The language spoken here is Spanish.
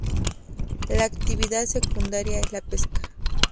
La actividad secundaria es la pesca.